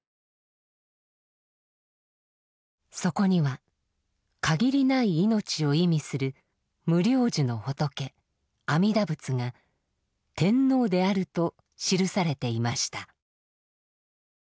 そこには「限りない命」を意味する「無量寿」の仏阿弥陀仏が天皇であると記されていました。